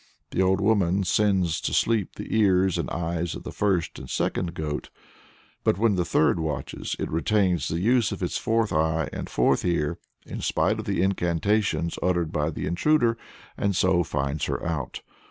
The old woman sends to sleep the ears and the eyes of the first and the second goat; but when the third watches it retains the use of its fourth eye and fourth ear, in spite of the incantations uttered by the intruder, and so finds her out.